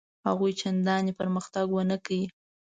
هغوی چنداني پرمختګ ونه کړ.